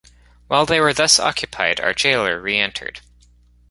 While they were thus occupied, our jailor re-entered.